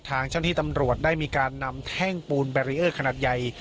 ทางเจ้าหน้าที่ตำรวจได้มีการนำแท่งปูนแบรีเออร์ขนาดใหญ่